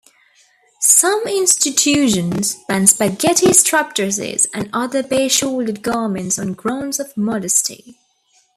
Some institutions ban spaghetti strap dresses and other bare-shouldered garments on grounds of modesty.